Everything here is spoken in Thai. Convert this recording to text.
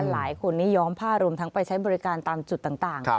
หลายคนนี้ย้อมผ้ารวมทั้งไปใช้บริการตามจุดต่าง